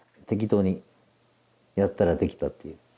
適当にやったらできたっていう。